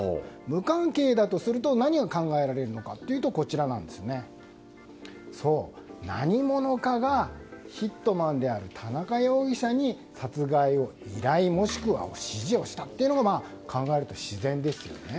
無関係だとすると何が考えられるのかというと何者かがヒットマンである田中容疑者に、殺害を依頼もしくは支持をしたと考えるのが自然ですよね。